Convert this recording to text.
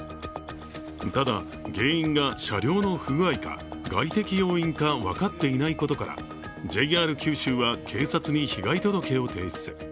ただ、原因が車両の不具合か外的要因か分かっていないことからＪＲ九州は警察に被害届を提出。